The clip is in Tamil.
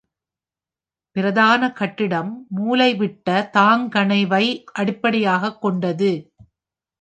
பிரதான கட்டிடம் மூலைவிட்ட தாங்கணைவை அடிப்படையாகக் கொண்டது.